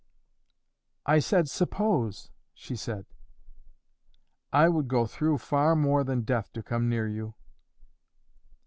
"I said 'suppose,'" she said. "I would go through far more than death to come near you."